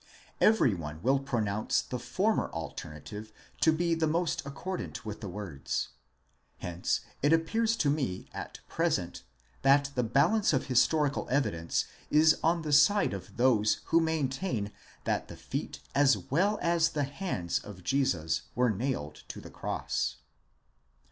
Every one will pronounce the former alternative to be the most accordant with the words. Hence it appears to me at present, that the balance of historical evidence is on the side of those who maintain that the feet as well as the hands of Jesus were nailed to the cross.